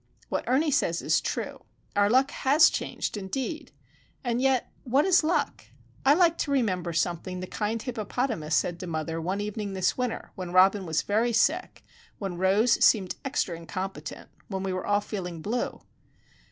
What Ernie says is true. Our luck has changed, indeed! And yet,—what is luck? I like to remember something the kind "Hippopotamus" said to mother one evening this winter when Robin was very sick, when Rose seemed extra incompetent, when we were all feeling blue.